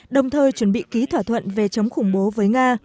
đồng thời chuẩn bị ký thỏa thuận về chống khủng bố với nga